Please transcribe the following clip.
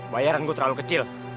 bayaran gue terlalu kecil